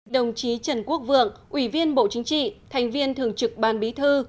đồng chí trần quốc vượng ủy viên bộ chính trị thành viên thường trực ban bí thư